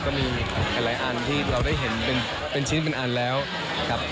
ก็มีหลายอันที่เราได้เห็นเป็นชิ้นเป็นอันแล้วครับ